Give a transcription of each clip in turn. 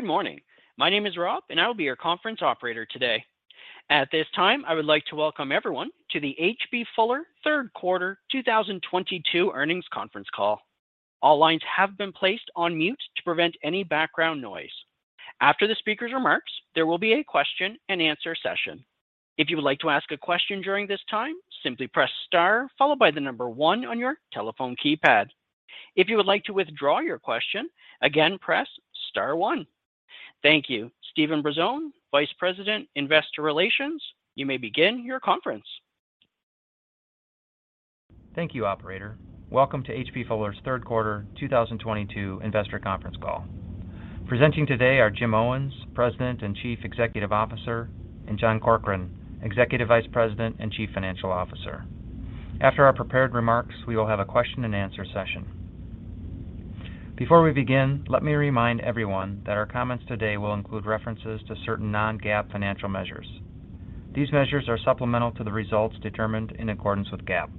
Good morning. My name is Rob, and I will be your conference operator today. At this time, I would like to welcome everyone to the H.B. Fuller third quarter 2022 earnings conference call. All lines have been placed on mute to prevent any background noise. After the speaker's remarks, there will be a question-and-answer session. If you would like to ask a question during this time, simply press star followed by the number one on your telephone keypad. If you would like to withdraw your question, again, Press Star one. Thank you. Steven Brazones, Vice President, Investor Relations, you may begin your conference. Thank you, operator. Welcome to H.B. Fuller's third quarter 2022 investor conference call. Presenting today are Jim Owens, President and Chief Executive Officer, and John Corkrean, Executive Vice President and Chief Financial Officer. After our prepared remarks, we will have a question-and-answer session. Before we begin, let me remind everyone that our comments today will include references to certain non-GAAP financial measures. These measures are supplemental to the results determined in accordance with GAAP.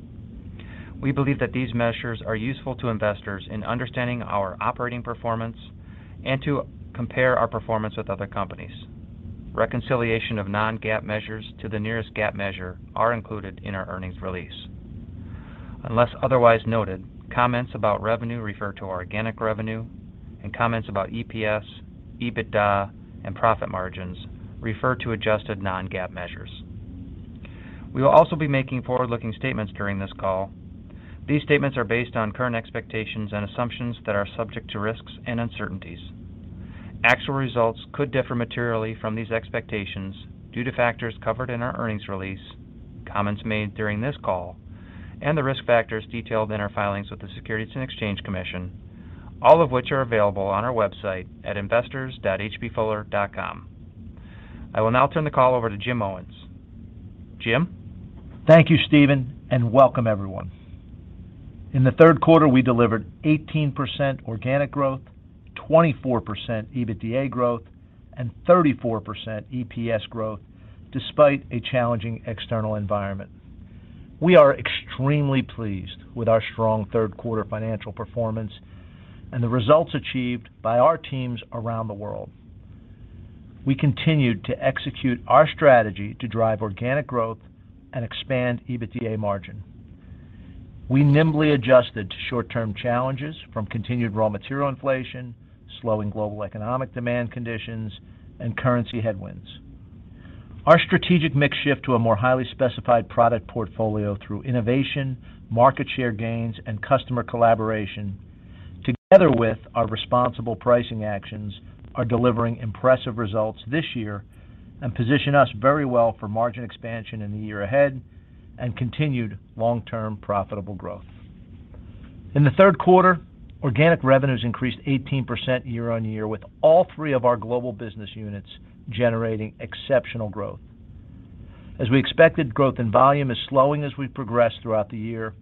We believe that these measures are useful to investors in understanding our operating performance and to compare our performance with other companies. Reconciliation of non-GAAP measures to the nearest GAAP measure are included in our earnings release. Unless otherwise noted, comments about revenue refer to our organic revenue, and comments about EPS, EBITDA, and profit margins refer to adjusted non-GAAP measures. We will also be making forward-looking statements during this call. These statements are based on current expectations and assumptions that are subject to risks and uncertainties. Actual results could differ materially from these expectations due to factors covered in our earnings release, comments made during this call, and the risk factors detailed in our filings with the Securities and Exchange Commission, all of which are available on our website at investors.hbfuller.com. I will now turn the call over to Jim Owens. Jim. Thank you, Steven, and welcome everyone. In the third quarter, we delivered 18% organic growth, 24% EBITDA growth, and 34% EPS growth despite a challenging external environment. We are extremely pleased with our strong third quarter financial performance and the results achieved by our teams around the world. We continued to execute our strategy to drive organic growth and expand EBITDA margin. We nimbly adjusted to short-term challenges from continued raw material inflation, slowing global economic demand conditions, and currency headwinds. Our strategic mix shift to a more highly specified product portfolio through innovation, market share gains, and customer collaboration, together with our responsible pricing actions, are delivering impressive results this year and position us very well for margin expansion in the year ahead and continued long-term profitable growth. In the third quarter, organic revenues increased 18% year-on-year with all three of our global business units generating exceptional growth. As we expected, growth in volume is slowing as we progress throughout the year.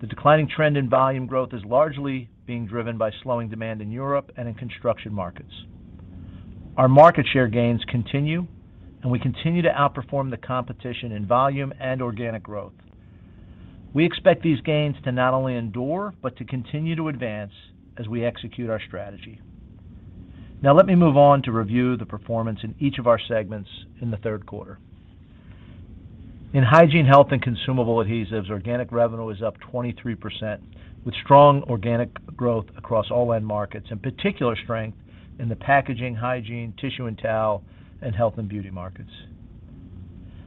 The declining trend in volume growth is largely being driven by slowing demand in Europe and in construction markets. Our market share gains continue, and we continue to outperform the competition in volume and organic growth. We expect these gains to not only endure but to continue to advance as we execute our strategy. Now let me move on to review the performance in each of our segments in the third quarter. In Hygiene, Health and Consumable Adhesives, organic revenue is up 23% with strong organic growth across all end markets and particular strength in the packaging, hygiene, tissue and towel, and health and beauty markets.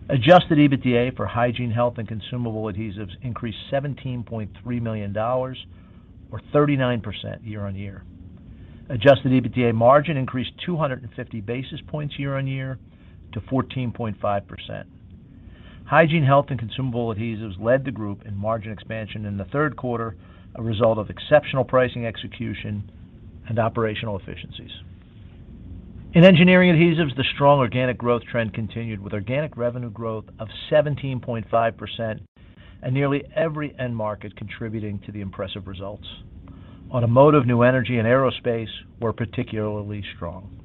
Adjusted EBITDA for Hygiene, Health and Consumable Adhesives increased $17.3 million or 39% year-on-year. Adjusted EBITDA margin increased 250 basis points year-on-year to 14.5%. Hygiene, Health and Consumable Adhesives led the group in margin expansion in the third quarter, a result of exceptional pricing execution and operational efficiencies. In Engineering Adhesives, the strong organic growth trend continued with organic revenue growth of 17.5% and nearly every end market contributing to the impressive results. Automotive, new energy, and aerospace were particularly strong.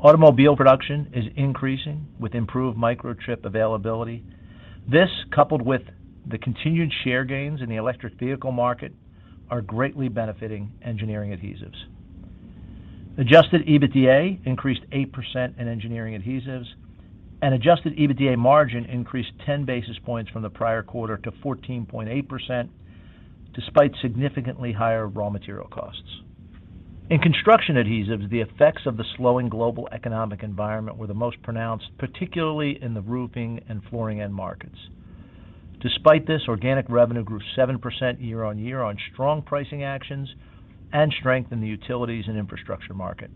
Automobile production is increasing with improved microchip availability. This, coupled with the continued share gains in the electric vehicle market, are greatly benefiting engineering adhesives. Adjusted EBITDA increased 8% in Engineering Adhesives, and adjusted EBITDA margin increased 10 basis points from the prior quarter to 14.8% despite significantly higher raw material costs. In Construction Adhesives, the effects of the slowing global economic environment were the most pronounced, particularly in the roofing and flooring end markets. Despite this, organic revenue grew 7% year-on-year on strong pricing actions and strength in the utilities and infrastructure market.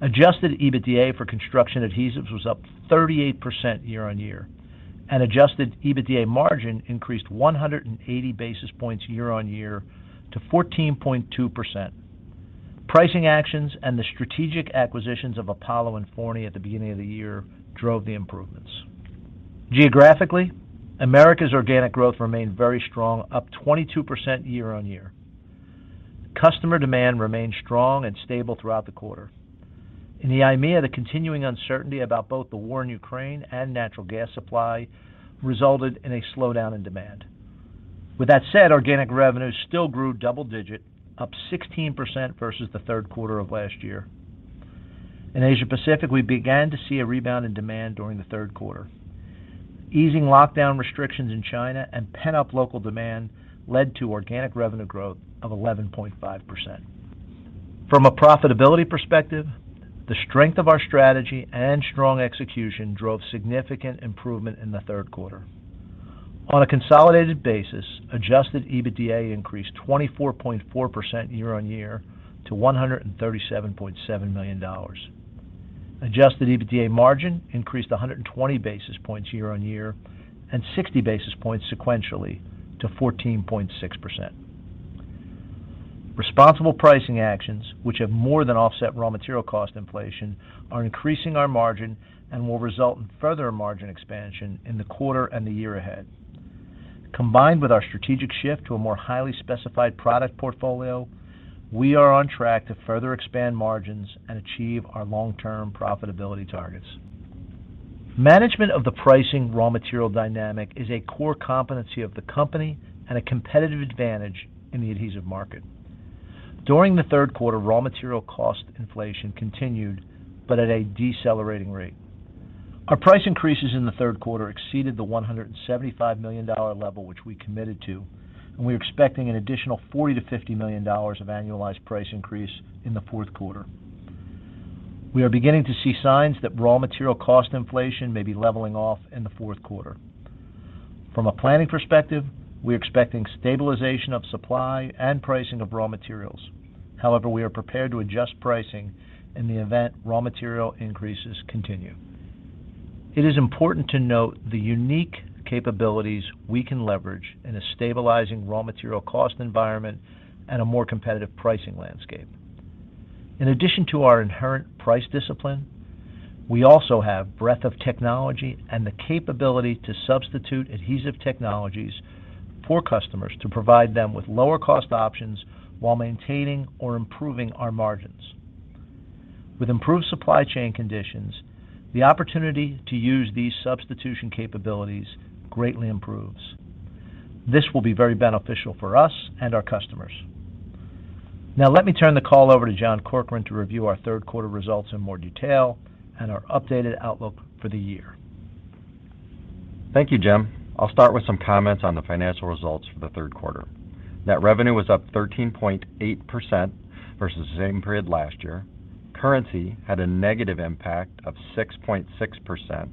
Adjusted EBITDA for Construction Adhesives was up 38% year-on-year, and adjusted EBITDA margin increased 180 basis points year-on-year to 14.2%. Pricing actions and the strategic acquisitions of Apollo and Fourny at the beginning of the year drove the improvements. Geographically, America's organic growth remained very strong, up 22% year-on-year. Customer demand remained strong and stable throughout the quarter. In the EMEA, the continuing uncertainty about both the war in Ukraine and natural gas supply resulted in a slowdown in demand. With that said, organic revenue still grew double-digit, up 16% versus the third quarter of last year. In Asia Pacific, we began to see a rebound in demand during the third quarter. Easing lockdown restrictions in China and pent-up local demand led to organic revenue growth of 11.5%. From a profitability perspective, the strength of our strategy and strong execution drove significant improvement in the third quarter. On a consolidated basis, adjusted EBITDA increased 24.4% year-over-year to $137.7 million. Adjusted EBITDA margin increased 120 basis points year-over-year and 60 basis points sequentially to 14.6%. Responsible pricing actions, which have more than offset raw material cost inflation, are increasing our margin and will result in further margin expansion in the quarter and the year ahead. Combined with our strategic shift to a more highly specified product portfolio, we are on track to further expand margins and achieve our long-term profitability targets. Management of the pricing raw material dynamic is a core competency of the company and a competitive advantage in the adhesive market. During the third quarter, raw material cost inflation continued, but at a decelerating rate. Our price increases in the third quarter exceeded the $175 million level which we committed to, and we are expecting an additional $40 million-$50 million of annualized price increase in the fourth quarter. We are beginning to see signs that raw material cost inflation may be leveling off in the fourth quarter. From a planning perspective, we are expecting stabilization of supply and pricing of raw materials. However, we are prepared to adjust pricing in the event raw material increases continue. It is important to note the unique capabilities we can leverage in a stabilizing raw material cost environment and a more competitive pricing landscape. In addition to our inherent price discipline, we also have breadth of technology and the capability to substitute adhesive technologies for customers to provide them with lower cost options while maintaining or improving our margins. With improved supply chain conditions, the opportunity to use these substitution capabilities greatly improves. This will be very beneficial for us and our customers. Now, let me turn the call over to John Corkrean to review our third quarter results in more detail and our updated outlook for the year. Thank you, Jim. I'll start with some comments on the financial results for the third quarter. Net revenue was up 13.8% versus the same period last year. Currency had a negative impact of 6.6%,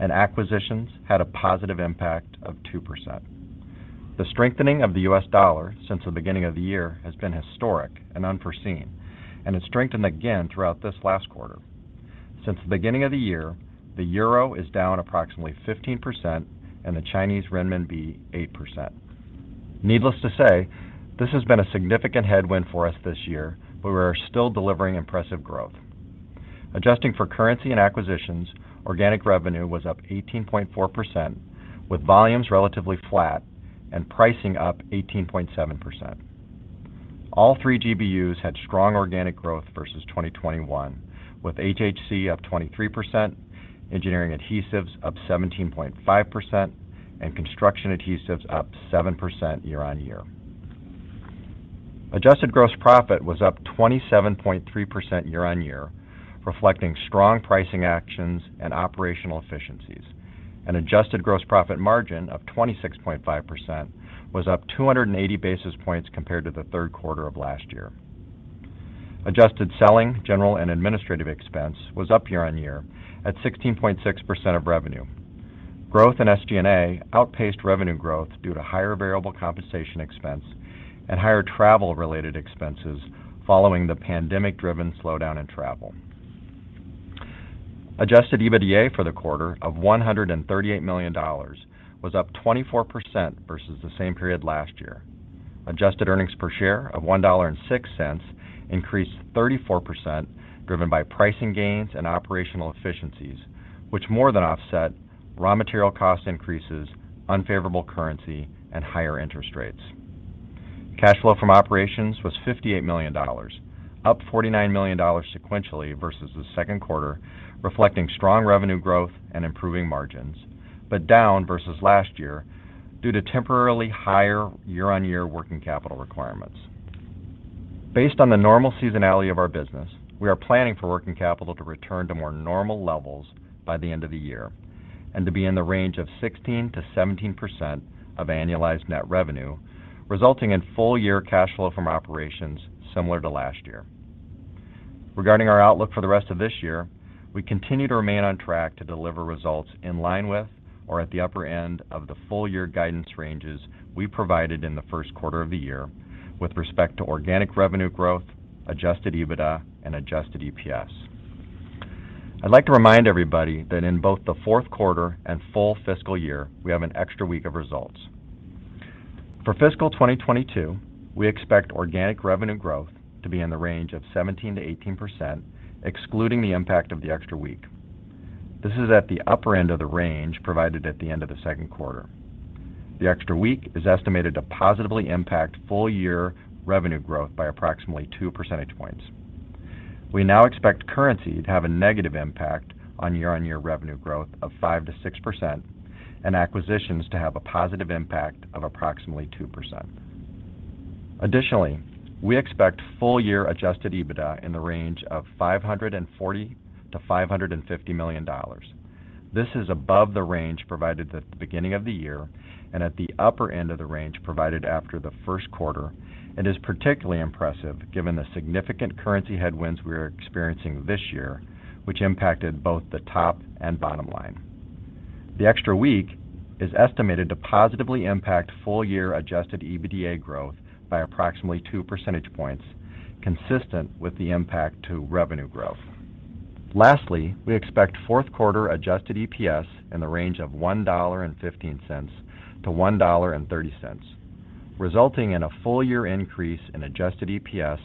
and acquisitions had a positive impact of 2%. The strengthening of the U.S. dollar since the beginning of the year has been historic and unforeseen, and it strengthened again throughout this last quarter. Since the beginning of the year, the euro is down approximately 15% and the Chinese renminbi 8%. Needless to say, this has been a significant headwind for us this year, but we are still delivering impressive growth. Adjusting for currency and acquisitions, organic revenue was up 18.4%, with volumes relatively flat and pricing up 18.7%. All three GBUs had strong organic growth versus 2021, with HHC up 23%, engineering adhesives up 17.5%, and construction adhesives up 7% year-on-year. Adjusted gross profit was up 27.3% year-on-year, reflecting strong pricing actions and operational efficiencies. An adjusted gross profit margin of 26.5% was up 280 basis points compared to the third quarter of last year. Adjusted selling, general, and administrative expense was up year-on-year at 16.6% of revenue. Growth in SG&A outpaced revenue growth due to higher variable compensation expense and higher travel-related expenses following the pandemic-driven slowdown in travel. Adjusted EBITDA for the quarter of $138 million was up 24% versus the same period last year. Adjusted earnings per share of $1.06 increased 34%, driven by pricing gains and operational efficiencies, which more than offset raw material cost increases, unfavorable currency, and higher interest rates. Cash flow from operations was $58 million, up $49 million sequentially versus the second quarter, reflecting strong revenue growth and improving margins, but down versus last year due to temporarily higher year-on-year working capital requirements. Based on the normal seasonality of our business, we are planning for working capital to return to more normal levels by the end of the year and to be in the range of 16%-17% of annualized net revenue, resulting in full year cash flow from operations similar to last year. Regarding our outlook for the rest of this year, we continue to remain on track to deliver results in line with or at the upper end of the full year guidance ranges we provided in the first quarter of the year with respect to organic revenue growth, adjusted EBITDA, and adjusted EPS. I'd like to remind everybody that in both the fourth quarter and full fiscal year, we have an extra week of results. For fiscal 2022, we expect organic revenue growth to be in the range of 17%-18%, excluding the impact of the extra week. This is at the upper end of the range provided at the end of the second quarter. The extra week is estimated to positively impact full year revenue growth by approximately two percentage points. We now expect currency to have a negative impact on year-on-year revenue growth of 5%-6%, and acquisitions to have a positive impact of approximately 2%. Additionally, we expect full year adjusted EBITDA in the range of $540 million-$550 million. This is above the range provided at the beginning of the year and at the upper end of the range provided after the first quarter, and is particularly impressive given the significant currency headwinds we are experiencing this year, which impacted both the top and bottom line. The extra week is estimated to positively impact full year adjusted EBITDA growth by approximately two percentage points, consistent with the impact to revenue growth. Lastly, we expect fourth quarter adjusted EPS in the range of $1.15-$1.30, resulting in a full year increase in adjusted EPS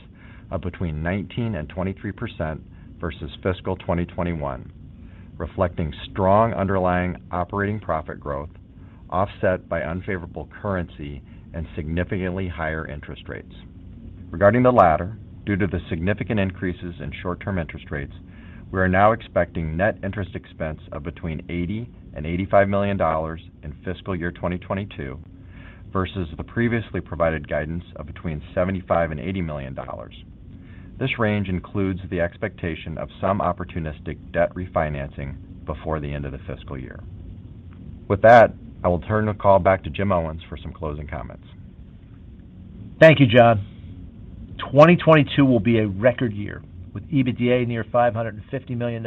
of between 19%-23% versus fiscal 2021, reflecting strong underlying operating profit growth offset by unfavorable currency and significantly higher interest rates. Regarding the latter, due to the significant increases in short-term interest rates, we are now expecting net interest expense of between $80 million-$85 million in fiscal year 2022 versus the previously provided guidance of between $75 million-$80 million. This range includes the expectation of some opportunistic debt refinancing before the end of the fiscal year. With that, I will turn the call back to Jim Owens for some closing comments. Thank you, John. 2022 will be a record year with EBITDA near $550 million,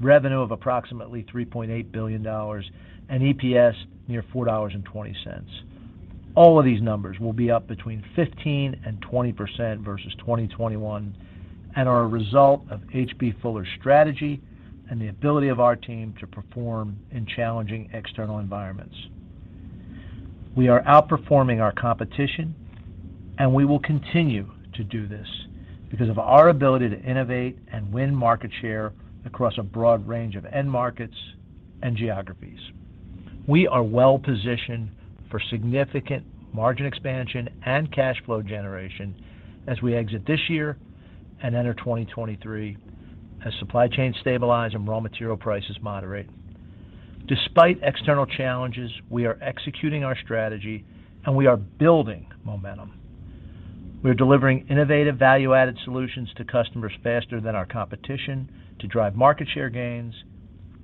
revenue of approximately $3.8 billion, and EPS near $4.20. All of these numbers will be up 15%-20% versus 2021, and are a result of H.B. Fuller's strategy and the ability of our team to perform in challenging external environments. We are outperforming our competition, and we will continue to do this because of our ability to innovate and win market share across a broad range of end markets and geographies. We are well positioned for significant margin expansion and cash flow generation as we exit this year and enter 2023 as supply chains stabilize and raw material prices moderate. Despite external challenges, we are executing our strategy and we are building momentum. We are delivering innovative value-added solutions to customers faster than our competition to drive market share gains,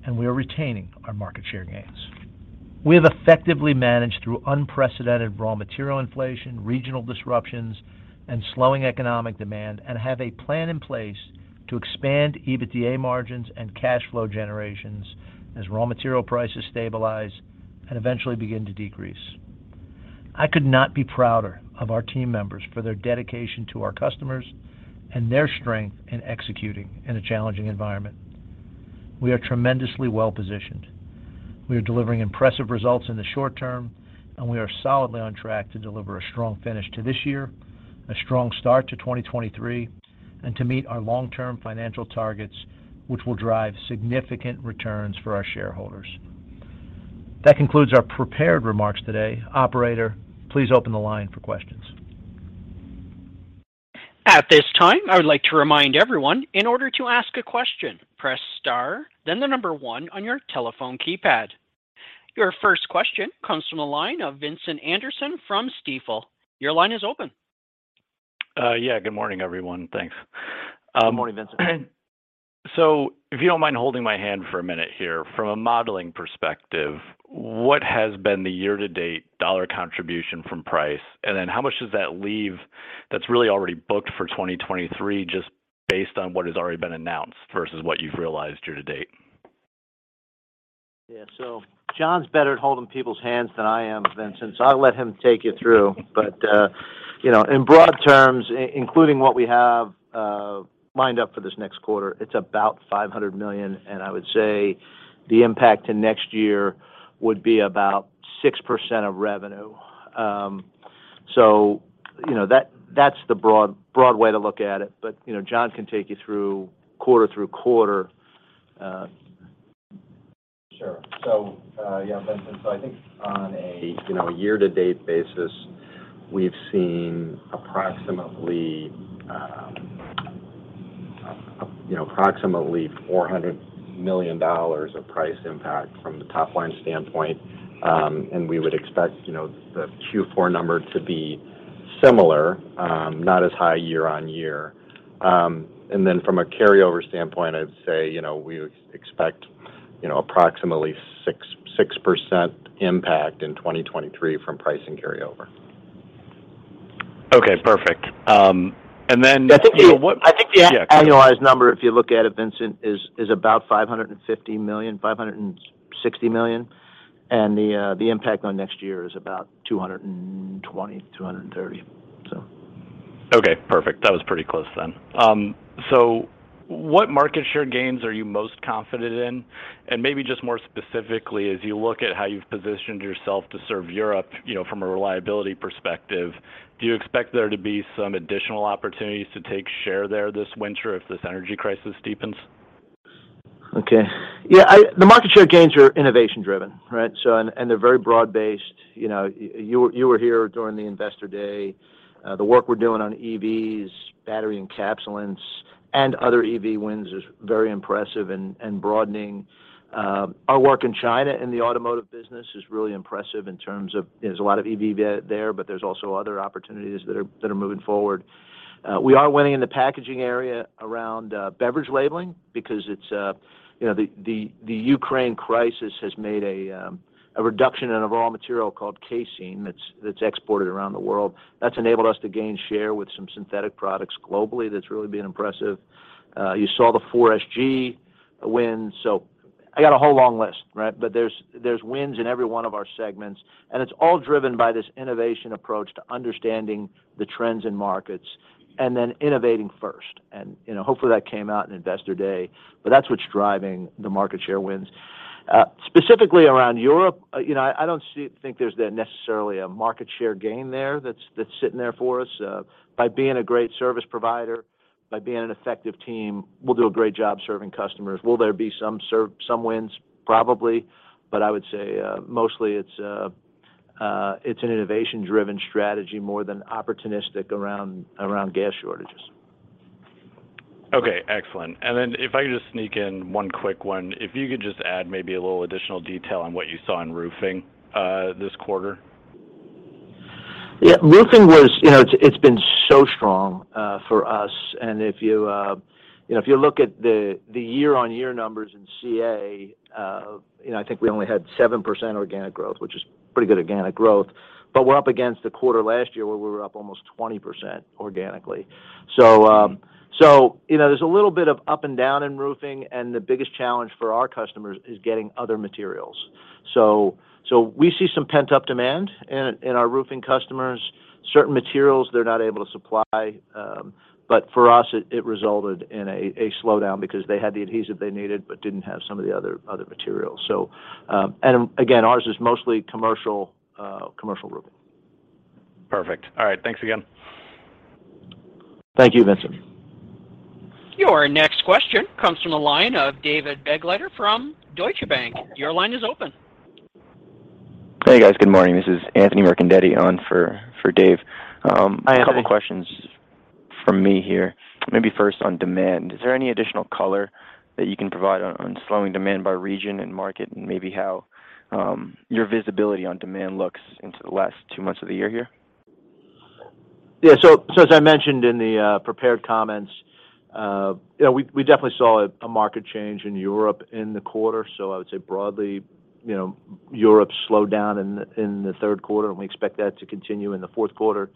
and we are retaining our market share gains. We have effectively managed through unprecedented raw material inflation, regional disruptions, and slowing economic demand, and have a plan in place to expand EBITDA margins and cash flow generations as raw material prices stabilize and eventually begin to decrease. I could not be prouder of our team members for their dedication to our customers and their strength in executing in a challenging environment. We are tremendously well positioned. We are delivering impressive results in the short term, and we are solidly on track to deliver a strong finish to this year, a strong start to 2023, and to meet our long-term financial targets, which will drive significant returns for our shareholders. That concludes our prepared remarks today. Operator, please open the line for questions. At this time, I would like to remind everyone, in order to ask a question, press star, then the number one on your telephone keypad. Your first question comes from the line of Vincent Anderson from Stifel. Your line is open. Yeah, good morning, everyone. Thanks. Good morning, Vincent. If you don't mind holding my hand for a minute here. From a modeling perspective, what has been the year-to-date dollar contribution from price? And then how much does that leave that's really already booked for 2023 just based on what has already been announced versus what you've realized year to date? Yeah. John's better at holding people's hands than I am, Vincent, so I'll let him take you through. You know, in broad terms, including what we have lined up for this next quarter, it's about $500 million. I would say the impact to next year would be about 6% of revenue. You know, that's the broad way to look at it. John can take you through quarter by quarter. Sure. Yeah, Vincent, I think on a year to date basis, we've seen approximately, you know, approximately $400 million of price impact from the top line standpoint. We would expect, you know, the Q4 number to be similar, not as high year-over-year. Then from a carryover standpoint, I'd say, you know, we expect, you know, approximately 6% impact in 2023 from pricing carryover. Okay, perfect. Then I think the- So what- I think the. Yeah, go ahead. The annualized number, if you look at it, Vincent, is about $550 million-$560 million. The impact on next year is about $220-$230, so. Okay, perfect. That was pretty close then. What market share gains are you most confident in? And maybe just more specifically, as you look at how you've positioned yourself to serve Europe, you know, from a reliability perspective, do you expect there to be some additional opportunities to take share there this winter if this energy crisis deepens? Okay. Yeah, the market share gains are innovation driven, right? They're very broad-based. You know, you were here during the Investor Day. The work we're doing on EVs, battery encapsulants, and other EV wins is very impressive and broadening. Our work in China in the automotive business is really impressive in terms of there's a lot of EV there, but there's also other opportunities that are moving forward. We are winning in the packaging area around beverage labeling because it's you know, the Ukraine crisis has made a reduction in a raw material called casein that's exported around the world. That's enabled us to gain share with some synthetic products globally. That's really been impressive. You saw the 4SG wins, so I got a whole long list, right? There's wins in every one of our segments, and it's all driven by this innovation approach to understanding the trends in markets and then innovating first. You know, hopefully, that came out in Investor Day, but that's what's driving the market share wins. Specifically around Europe, you know, I don't think there's necessarily a market share gain there that's sitting there for us. By being a great service provider, by being an effective team, we'll do a great job serving customers. Will there be some wins? Probably, but I would say, mostly it's an innovation-driven strategy more than opportunistic around gas shortages. Okay. Excellent. If I could just sneak in one quick one. If you could just add maybe a little additional detail on what you saw in roofing, this quarter. Yeah. Roofing was, you know. It's been so strong for us. If you look at the year-on-year numbers in CA, you know, I think we only had 7% organic growth, which is pretty good organic growth. We're up against a quarter last year where we were up almost 20% organically. You know, there's a little bit of up and down in roofing, and the biggest challenge for our customers is getting other materials. We see some pent-up demand in our roofing customers. Certain materials they're not able to supply, but for us, it resulted in a slowdown because they had the adhesive they needed but didn't have some of the other materials. Again, ours is mostly commercial roofing. Perfect. All right. Thanks again. Thank you, Vincent. Your next question comes from the line of David Begleiter from Deutsche Bank. Your line is open. Hey, guys. Good morning. This is Anthony Mercandetti on for Dave. Hi, Anthony. A couple questions from me here. Maybe first on demand. Is there any additional color that you can provide on slowing demand by region and market, and maybe how your visibility on demand looks into the last two months of the year here? Yeah. So as I mentioned in the prepared comments, you know, we definitely saw a market change in Europe in the quarter. So I would say broadly, you know, Europe slowed down in the third quarter, and we expect that to continue in the fourth quarter.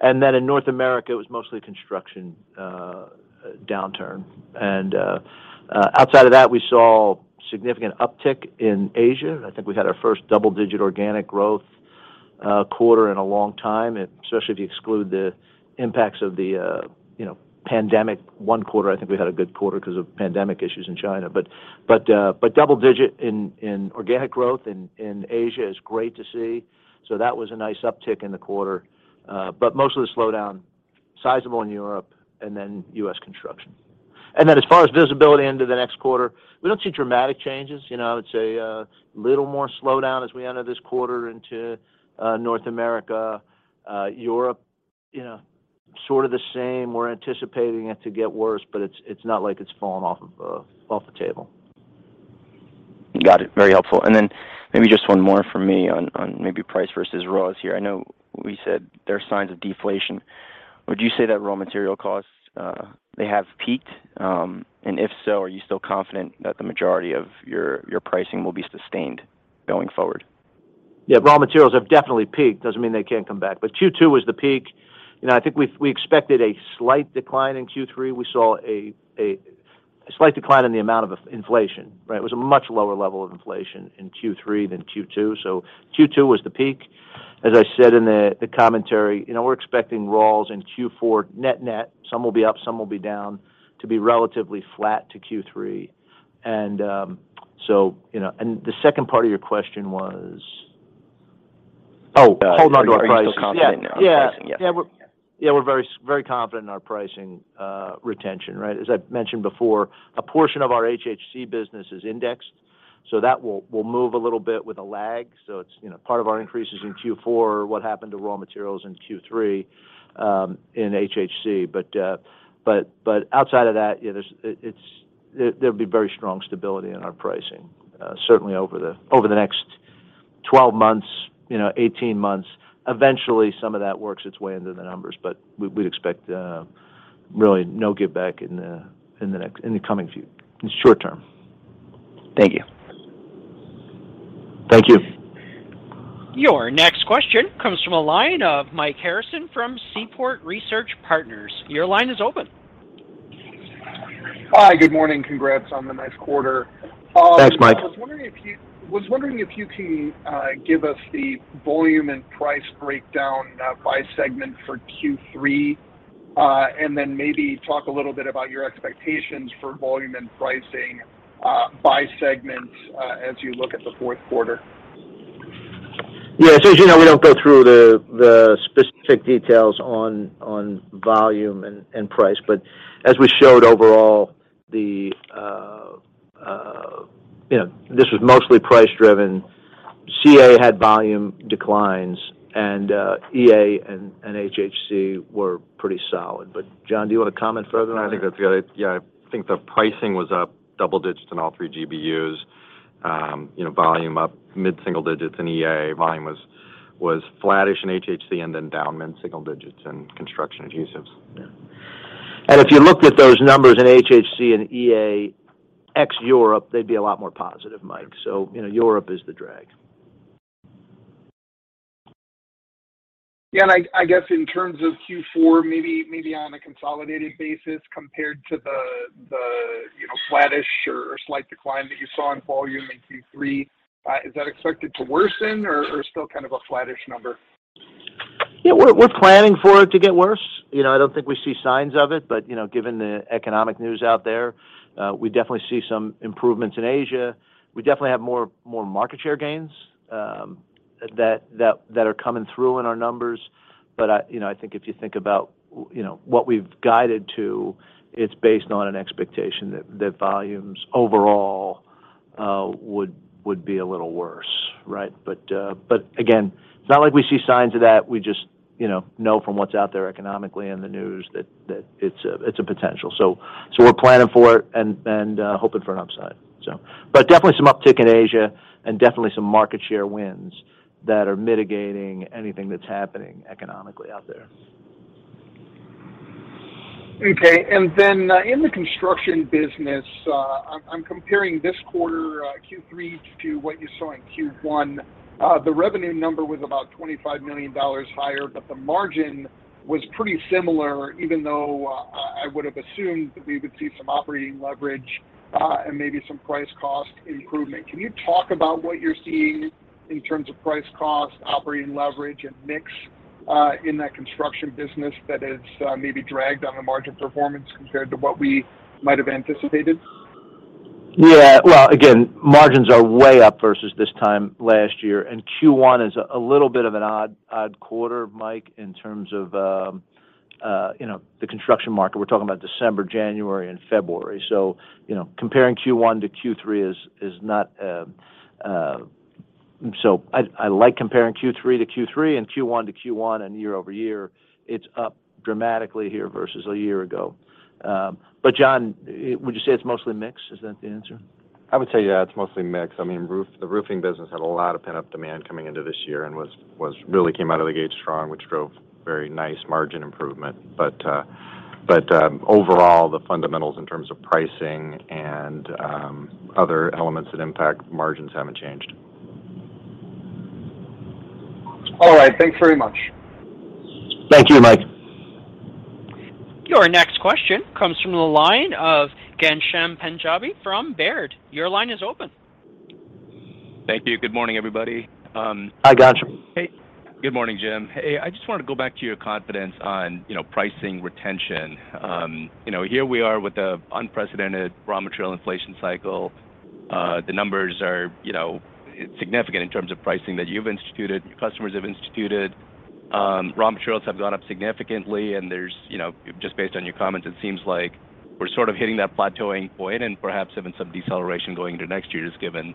Then in North America, it was mostly construction downturn. Outside of that, we saw significant uptick in Asia. I think we had our first double-digit organic growth quarter in a long time, especially if you exclude the impacts of the you know pandemic one quarter. I think we had a good quarter 'cause of pandemic issues in China. But double digit in organic growth in Asia is great to see. That was a nice uptick in the quarter. Most of the slowdown sizable in Europe and then U.S. construction. As far as visibility into the next quarter, we don't see dramatic changes. I would say, little more slowdown as we enter this quarter into, North America. Europe, sort of the same. We're anticipating it to get worse, but it's not like it's fallen off of, off the table. Got it. Very helpful. Maybe just one more from me on maybe price versus raws here. I know we said there are signs of deflation. Would you say that raw material costs, they have peaked? If so, are you still confident that the majority of your pricing will be sustained going forward? Yeah. Raw materials have definitely peaked. Doesn't mean they can't come back. Q2 was the peak, and I think we expected a slight decline in Q3. We saw a slight decline in the amount of inflation, right? It was a much lower level of inflation in Q3 than Q2. Q2 was the peak. As I said in the commentary, you know, we're expecting raws in Q4 net-net, some will be up, some will be down, to be relatively flat to Q3. The second part of your question was? Oh, holding on to our price. Are you still confident in your pricing? Yes. We're very confident in our pricing retention, right? As I mentioned before, a portion of our HHC business is indexed, so that will move a little bit with a lag. It's, you know, part of our increases in Q4 are what happened to raw materials in Q3 in HHC. But outside of that, you know, there'll be very strong stability in our pricing certainly over the next 12 months, you know, 18 months. Eventually, some of that works its way into the numbers, but we'd expect really no giveback in the short term. Thank you. Thank you. Your next question comes from a line of Mike Harrison from Seaport Research Partners. Your line is open. Hi. Good morning. Congrats on the nice quarter. Thanks, Mike. I was wondering if you can give us the volume and price breakdown by segment for Q3 and then maybe talk a little bit about your expectations for volume and pricing by segment as you look at the fourth quarter? Yeah. As you know, we don't go through the specific details on volume and price. As we showed overall, this was mostly price-driven. CA had volume declines, EA and HHC were pretty solid. John, do you wanna comment further on that? Yeah, I think the pricing was up double digits in all three GBUs. You know, volume up mid-single digits in EA. Volume was flattish in HHC, and then down mid-single digits in Construction Adhesives. Yeah. If you looked at those numbers in HHC and EA ex-Europe, they'd be a lot more positive, Mike. You know, Europe is the drag. Yeah. I guess in terms of Q4, maybe on a consolidated basis compared to the you know, flattish or slight decline that you saw in volume in Q3, is that expected to worsen or still kind of a flattish number? Yeah. We're planning for it to get worse. You know, I don't think we see signs of it, but you know, given the economic news out there, we definitely see some improvements in Asia. We definitely have more market share gains that are coming through in our numbers. You know, I think if you think about what we've guided to, it's based on an expectation that volumes overall would be a little worse, right? Again, it's not like we see signs of that. We just know from what's out there economically in the news that it's a potential. We're planning for it and hoping for an upside. Definitely some uptick in Asia and definitely some market share wins that are mitigating anything that's happening economically out there. Okay. In the construction business, I'm comparing this quarter, Q3 to what you saw in Q1. The revenue number was about $25 million higher, but the margin was pretty similar, even though, I would've assumed that we would see some operating leverage, and maybe some price cost improvement. Can you talk about what you're seeing in terms of price cost, operating leverage, and mix, in that construction business that has maybe dragged on the margin performance compared to what we might have anticipated? Yeah. Well, again, margins are way up versus this time last year, and Q1 is a little bit of an odd quarter, Mike, in terms of, you know, the construction market. We're talking about December, January, and February. You know, comparing Q1 to Q3 is not. I like comparing Q3-Q3 and Q1 to Q1 and year over year. It's up dramatically here versus a year ago. John, would you say it's mostly mix? Is that the answer? I would say, yeah, it's mostly mix. I mean, the roofing business had a lot of pent-up demand coming into this year and really came out of the gate strong, which drove very nice margin improvement. Overall, the fundamentals in terms of pricing and other elements that impact margins haven't changed. All right. Thanks very much. Thank you, Mike. Your next question comes from the line of Ghansham Panjabi from Baird. Your line is open. Thank you. Good morning, everybody. Hi, Ghansham. Hey. Good morning, Jim. Hey, I just wanted to go back to your confidence on, you know, pricing retention. You know, here we are with an unprecedented raw material inflation cycle. The numbers are, you know, significant in terms of pricing that you've instituted, your customers have instituted. Raw materials have gone up significantly, and there's, you know, just based on your comments, it seems like we're sort of hitting that plateauing point and perhaps even some deceleration going into next year, just given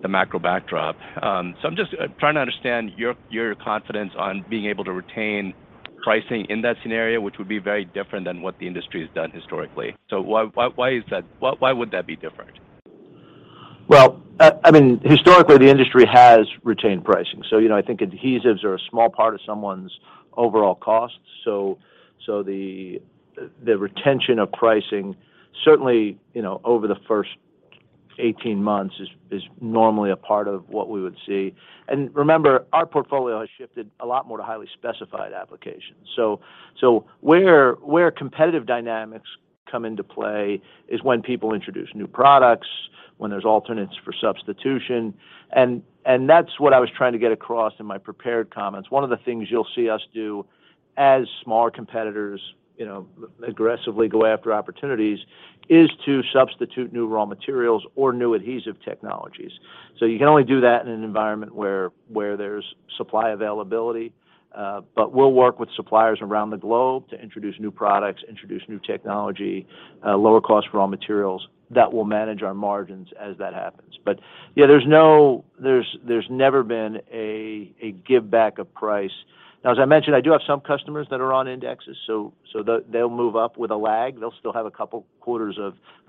the macro backdrop. I'm just trying to understand your confidence on being able to retain pricing in that scenario, which would be very different than what the industry has done historically. Why is that? Why would that be different? Well, I mean, historically, the industry has retained pricing. You know, I think adhesives are a small part of someone's overall costs. The retention of pricing, certainly, you know, over the first 18 months is normally a part of what we would see. Remember, our portfolio has shifted a lot more to highly specified applications. Where competitive dynamics come into play is when people introduce new products, when there's alternatives for substitution, and that's what I was trying to get across in my prepared comments. One of the things you'll see us do as smaller competitors, you know, aggressively go after opportunities, is to substitute new raw materials or new adhesive technologies. You can only do that in an environment where there's supply availability. We'll work with suppliers around the globe to introduce new products, introduce new technology, lower cost raw materials that will manage our margins as that happens. Yeah, there's never been a give back of price. Now, as I mentioned, I do have some customers that are on indexes, so they'll move up with a lag. They'll still have a couple quarters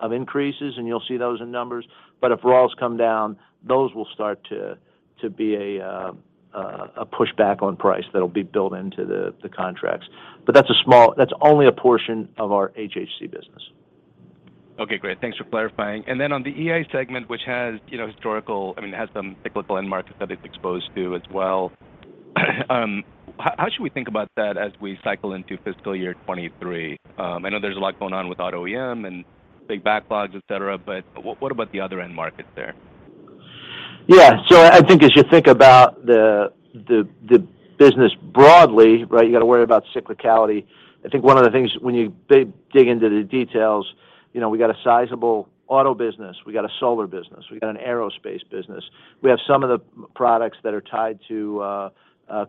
of increases, and you'll see those in numbers. If raws come down, those will start to be a pushback on price that'll be built into the contracts. That's only a portion of our HHC business. Okay. Great. Thanks for clarifying. Then on the EA segment, which has, you know, I mean, it has some cyclical end markets that it's exposed to as well, how should we think about that as we cycle into fiscal year 2023? I know there's a lot going on with auto OEM and big backlogs, et cetera, but what about the other end markets there? Yeah. I think as you think about the business broadly, right, you gotta worry about cyclicality. I think one of the things when you dig into the details. You know, we got a sizable auto business, we got a solar business, we got an aerospace business. We have some of the products that are tied to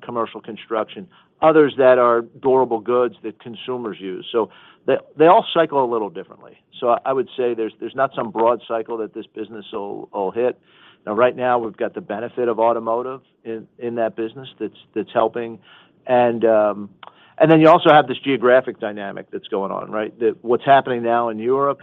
commercial construction, others that are durable goods that consumers use. They all cycle a little differently. I would say there's not some broad cycle that this business will hit. Now, right now we've got the benefit of automotive in that business that's helping. Then you also have this geographic dynamic that's going on, right? What's happening now in Europe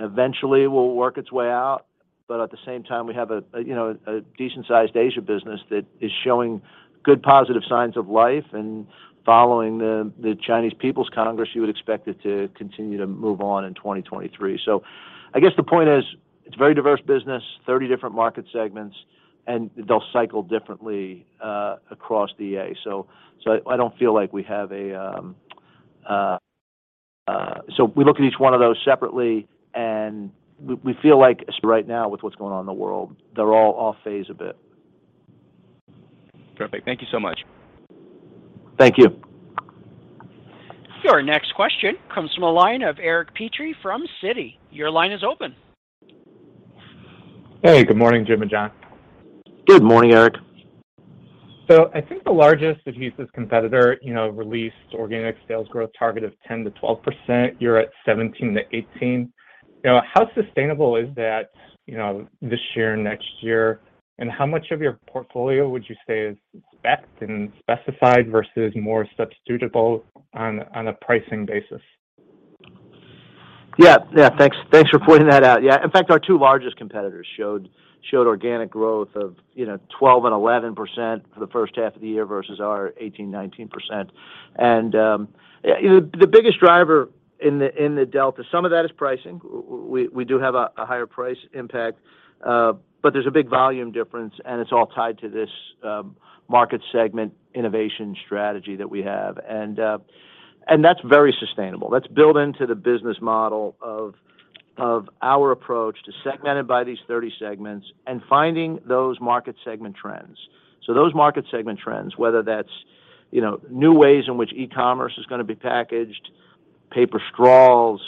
eventually will work its way out. At the same time, we have you know a decent sized Asia business that is showing good positive signs of life and following the Chinese Communist Party Congress, you would expect it to continue to move on in 2023. I guess the point is, it's very diverse business, 30 different market segments, and they'll cycle differently across Asia. We look at each one of those separately, and we feel like right now with what's going on in the world, they're all out of phase a bit. Perfect. Thank you so much. Thank you. Your next question comes from a line of Eric Petrie from Citi. Your line is open. Hey, good morning, Jim and John. Good morning, Eric. I think the largest adhesives competitor, you know, released organic sales growth target of 10%-12%. You're at 17%-18%. You know, how sustainable is that, you know, this year, next year? How much of your portfolio would you say is backed and specified versus more substitutable on a pricing basis? Yeah. Thanks for pointing that out. In fact, our two largest competitors showed organic growth of, you know, 12% and 11% for the first half of the year versus our 18%-19%. You know, the biggest driver in the delta, some of that is pricing. We do have a higher price impact, but there's a big volume difference, and it's all tied to this market segment innovation strategy that we have. That's very sustainable. That's built into the business model of our approach to segmented by these 30 segments and finding those market segment trends. Those market segment trends, whether that's, you know, new ways in which e-commerce is gonna be packaged, paper straws,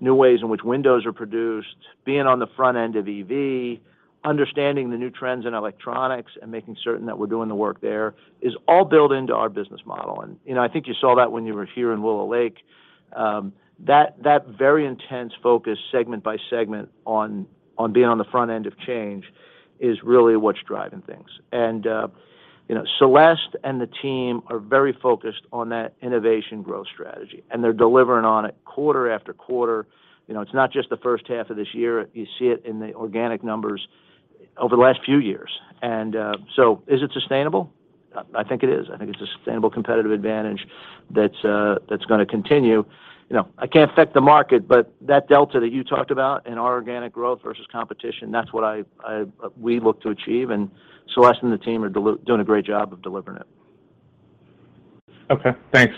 new ways in which windows are produced, being on the front end of EV, understanding the new trends in electronics and making certain that we're doing the work there, is all built into our business model. You know, I think you saw that when you were here in Willow Lake. That very intense focus segment by segment on being on the front end of change is really what's driving things. You know, Celeste and the team are very focused on that innovation growth strategy, and they're delivering on it quarter after quarter. You know, it's not just the first half of this year. You see it in the organic numbers over the last few years. Is it sustainable? I think it is. I think it's a sustainable competitive advantage that's gonna continue. You know, I can't affect the market, but that delta that you talked about in our organic growth versus competition, that's what we look to achieve. Celeste and the team are doing a great job of delivering it. Okay, thanks.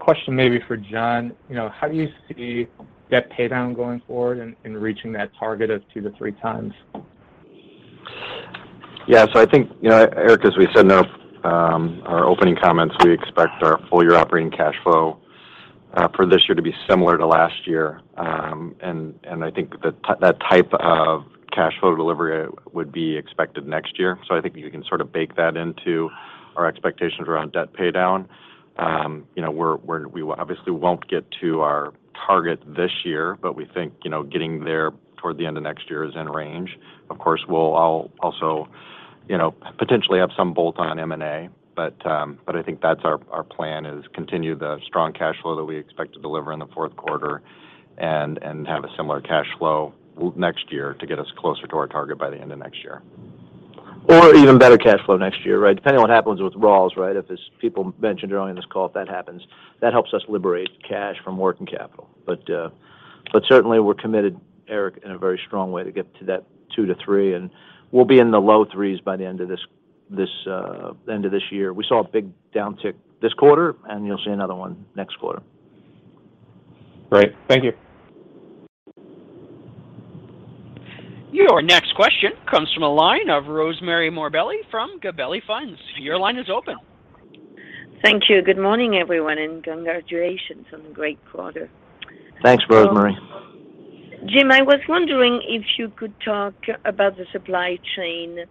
Question maybe for John. You know, how do you see debt paydown going forward in reaching that target of 2-3 times? I think, you know, Eric, as we said in our opening comments, we expect our full year operating cash flow for this year to be similar to last year. I think that type of cash flow delivery would be expected next year. I think you can sort of bake that into our expectations around debt paydown. You know, we obviously won't get to our target this year, but we think, you know, getting there toward the end of next year is in range. Of course, we'll also, you know, potentially have some bolt-on M&A. I think that's our plan is continue the strong cash flow that we expect to deliver in the fourth quarter and have a similar cash flow next year to get us closer to our target by the end of next year. Even better cash flow next year, right? Depending on what happens with raws, right? If this people mentioned earlier in this call, if that happens, that helps us liberate cash from working capital. But certainly we're committed, Eric, in a very strong way to get to that 2-3, and we'll be in the low 3s by the end of this year. We saw a big downtick this quarter, and you'll see another one next quarter. Great. Thank you. Your next question comes from a line of Rosemarie Morbelli from Gabelli Funds. Your line is open. Thank you. Good morning, everyone, and congratulations on the great quarter. Thanks, Rosemarie. Jim, I was wondering if you could talk about the supply chain,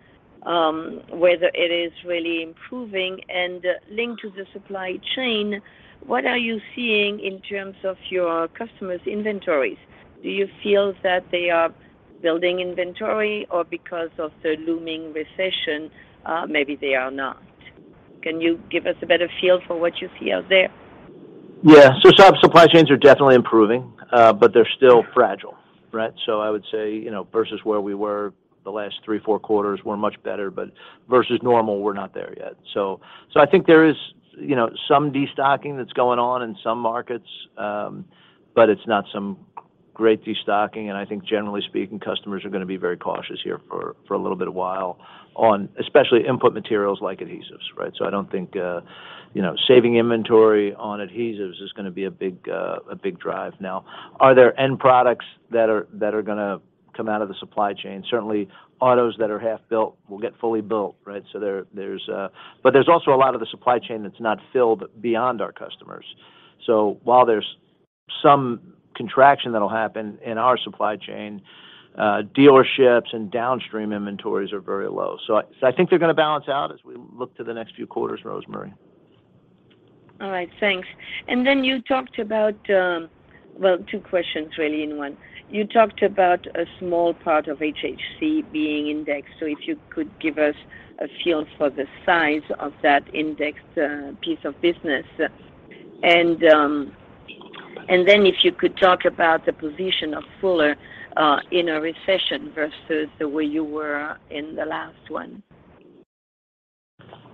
whether it is really improving. Linked to the supply chain, what are you seeing in terms of your customers' inventories? Do you feel that they are building inventory or because of the looming recession, maybe they are not? Can you give us a better feel for what you see out there? Yeah. Supply chains are definitely improving, but they're still fragile, right? I would say, you know, versus where we were the last three, four quarters, we're much better, but versus normal, we're not there yet. I think there is, you know, some destocking that's going on in some markets, but it's not some great destocking. I think generally speaking, customers are gonna be very cautious here for a little bit while on especially input materials like adhesives, right? I don't think, you know, saving inventory on adhesives is gonna be a big drive now. Are there end products that are gonna come out of the supply chain? Certainly, autos that are half built will get fully built, right? There's There's also a lot of the supply chain that's not filled beyond our customers. While there's some contraction that'll happen in our supply chain. Dealerships and downstream inventories are very low. I think they're gonna balance out as we look to the next few quarters, Rosemarie. All right. Thanks. You talked about, well, two questions really in one. You talked about a small part of HHC being indexed, so if you could give us a feel for the size of that indexed piece of business. If you could talk about the position of Fuller in a recession versus the way you were in the last one.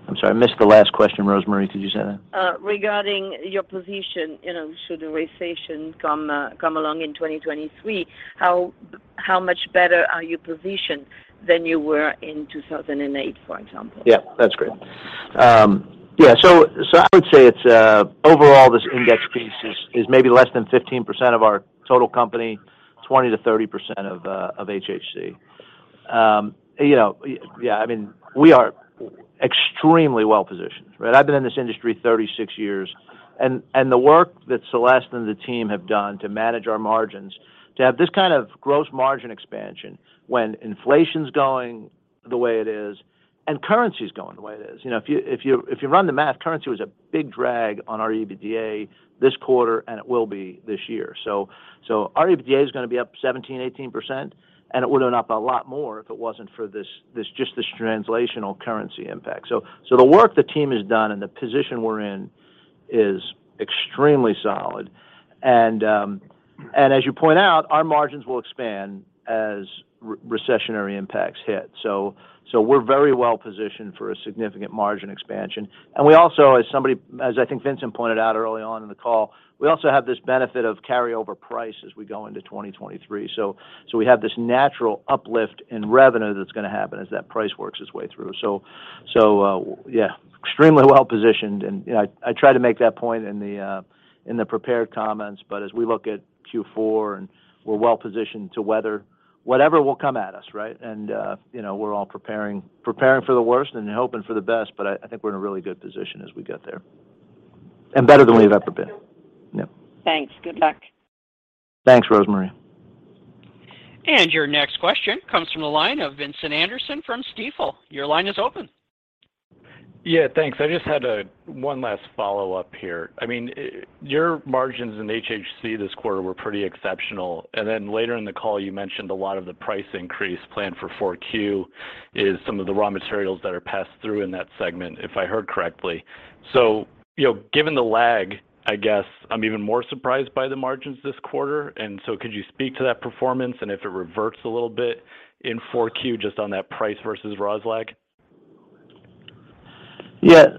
I'm sorry, I missed the last question, Rosemarie. Could you say that? Regarding your position, you know, should a recession come along in 2023, how much better are you positioned than you were in 2008, for example? Yeah, that's great. Yeah. I would say it's overall, this index piece is maybe less than 15% of our total company, 20%-30% of HHC. You know, yeah, I mean, we are extremely well-positioned, right? I've been in this industry 36 years, and the work that Celeste and the team have done to manage our margins to have this kind of gross margin expansion when inflation's going the way it is and currency's going the way it is. You know, if you run the math, currency was a big drag on our EBITDA this quarter, and it will be this year. Our EBITDA is gonna be up 17%-18%, and it would have been up a lot more if it wasn't for this just this translational currency impact. The work the team has done and the position we're in is extremely solid. As you point out, our margins will expand as recessionary impacts hit. We're very well positioned for a significant margin expansion. We also, as I think Vincent pointed out early on in the call, we also have this benefit of carryover price as we go into 2023. Yeah, extremely well-positioned, and you know, I try to make that point in the prepared comments. As we look at Q4, we're well positioned to weather whatever will come at us, right? You know, we're all preparing for the worst and hoping for the best, but I think we're in a really good position as we get there. Better than we've ever been. Yeah. Thanks. Good luck. Thanks, Rosemarie. Your next question comes from the line of Vincent Anderson from Stifel. Your line is open. Yeah, thanks. I just had one last follow-up here. I mean, your margins in HHC this quarter were pretty exceptional. Later in the call, you mentioned a lot of the price increase planned for 4Q is some of the raw materials that are passed through in that segment, if I heard correctly. You know, given the lag, I guess, I'm even more surprised by the margins this quarter. Could you speak to that performance and if it reverts a little bit in 4Q just on that price versus raws lag? There's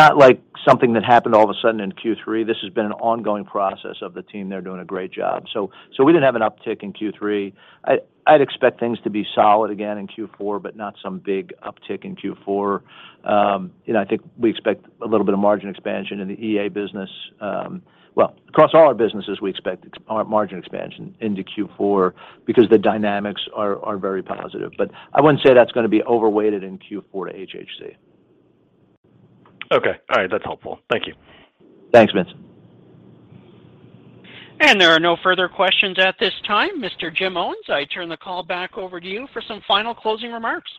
not, like, something that happened all of a sudden in Q3. This has been an ongoing process of the team. They're doing a great job. We didn't have an uptick in Q3. I'd expect things to be solid again in Q4, but not some big uptick in Q4. You know, I think we expect a little bit of margin expansion in the EA business. Well, across all our businesses, we expect margin expansion into Q4 because the dynamics are very positive. I wouldn't say that's gonna be overweighted in Q4 to HHC. Okay. All right. That's helpful. Thank you. Thanks, Vincent. There are no further questions at this time. Mr. Jim Owens, I turn the call back over to you for some final closing remarks.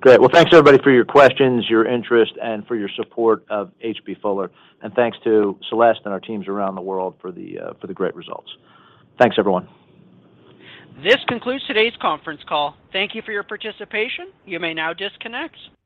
Great. Well, thanks, everybody, for your questions, your interest, and for your support of H.B. Fuller. Thanks to Celeste and our teams around the world for the great results. Thanks, everyone. This concludes today's conference call. Thank you for your participation. You may now disconnect.